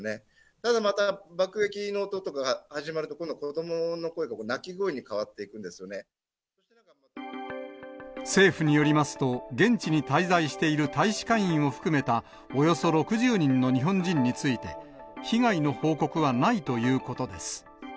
ただまた爆撃の音とかが始まると今度、子どもの声が泣き声に変わ政府によりますと、現地に滞在している大使館員を含めたおよそ６０人の日本人について、被害の報告はないということです。